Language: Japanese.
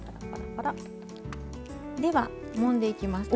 ではもんでいきます。